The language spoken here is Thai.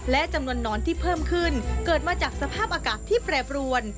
และจำนวนนอนที่เพิ่มขึ้นเกิดมาจากสภาพอากาศที่แปรปรวน